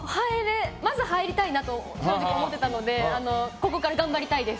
まず入りたいなと正直思ってたのでここから頑張りたいです。